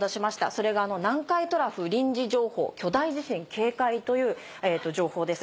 それが南海トラフ臨時情報「巨大地震警戒」という情報です。